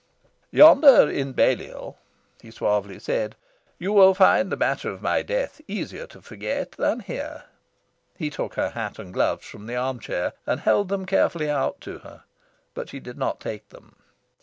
"Yonder in Balliol," he suavely said, "you will find the matter of my death easier to forget than here." He took her hat and gloves from the arm chair, and held them carefully out to her; but she did not take them.